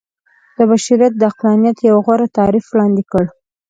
د بشريت د عقلانيت يو غوره تعريف وړاندې کړ.